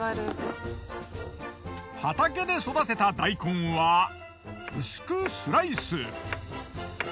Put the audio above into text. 畑で育てた大根は薄くスライス。